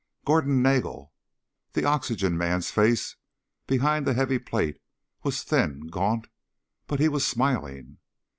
Gordon Nagel! The oxygen man's face behind the heavy plate was thin, gaunt, but he was smiling.